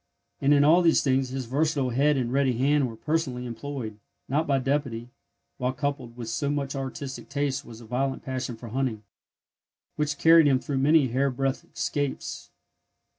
And in all these things his versatile head and ready hand were personally employed, not by deputy; while coupled with so much artistic taste was a violent passion for hunting, which carried him through many hairbreadth 'scapes.